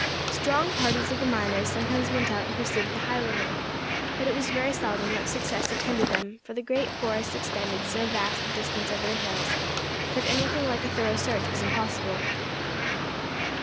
Strong parties of the miners sometimes went out in pursuit of the highwaymen, but it was very seldom that success attended them, for the great forests extended so vast a distance over the hills, that anything like a thorough search was impossible.